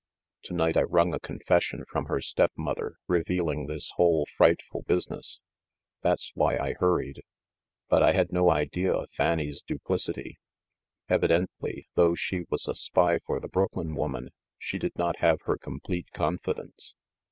To night I wrung a confession from her stepmother revealing this whole frightful business. That's why I hurried. But I had no idea of Fanny's duplicity. Evidently, though she was a spy for the Brooklyn woman, she did not have her complete confidence.